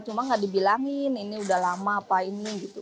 cuma nggak dibilangin ini udah lama apa ini gitu